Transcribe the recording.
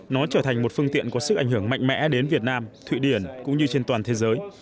nó trở thành một phương tiện có sức ảnh hưởng mạnh mẽ đến việt nam thụy điển cũng như trên toàn thế giới